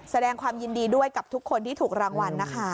แสดงความยินดีด้วยกับทุกคนที่ถูกรางวัลนะคะ